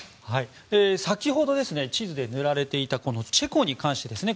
先ほど地図で塗られていたチェコに関してですね。